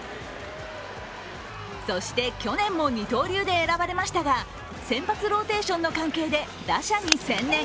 そして、去年も二刀流で選ばれましたが、先発ローテーションの関係で打者に専念。